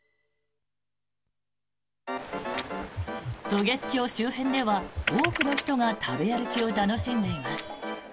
渡月橋周辺では多くの人が食べ歩きを楽しんでいます。